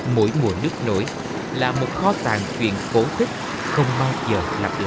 mỗi mùa nước nổi là một khó tàn chuyện phổ thích không bao giờ lặp lại